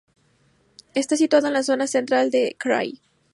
Está situado en la zona central del krai.